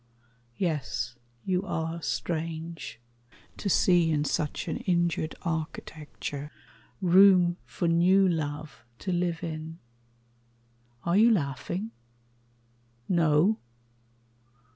Yes, you are strange, To see in such an injured architecture Room for new love to live in. Are you laughing? No?